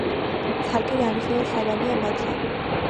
ცალკე განხილვის საგანია მაცა.